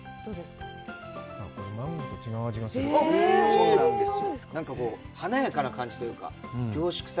そうなんですよ。